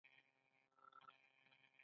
رایبوزوم څه شی تولیدوي؟